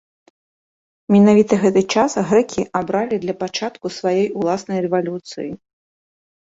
Менавіта гэты час грэкі абралі для пачатку сваёй уласнай рэвалюцыі.